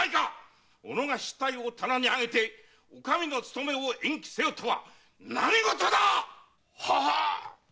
己が失態を棚に上げてお上のつとめを延期せよとは何事だ‼ははっ！